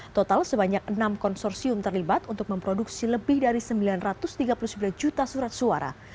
total sebanyak enam konsorsium terlibat untuk memproduksi lebih dari sembilan ratus tiga puluh sembilan juta surat suara